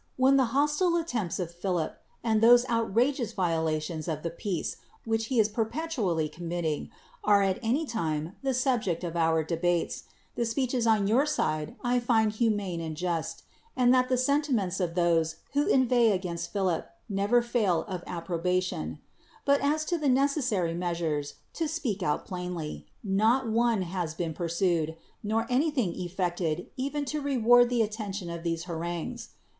when the hostile attempts of Philip, and those outrageous violations of the peace which he is perpetually committing, are at any time the subject of our debates, the speeches on your side I find humane and just, and that the sentiments of those who inveigh against Philip never fail of approbation; but as to the necessary measures, to speak out plainly, not one has been pursued, nor anything effected even to reward the attention to these harangues.